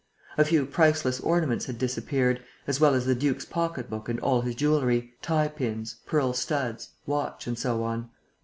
A few priceless ornaments had disappeared, as well as the duke's pocket book and all his jewellery; tie pins, pearl studs, watch and so on.